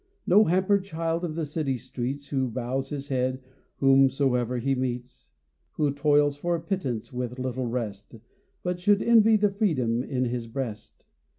No hampered child of the city streets, Who bows his head whomsoe'er he meets, Who toils for a pittance with little rest, But should envy the freedom in this breast.